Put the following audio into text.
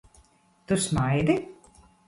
Tu smaidi?